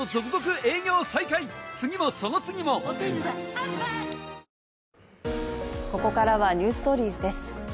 あここからは「ｎｅｗｓｔｏｒｉｅｓ」です。